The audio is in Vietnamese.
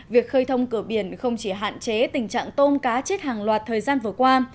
việc khơi thông cửa biển không chỉ hạn chế tình trạng tôm cá chết hàng loạt thời gian vừa qua